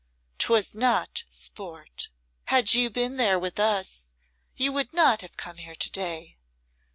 'Twas not sport. Had you been there with us, you would not have come here to day.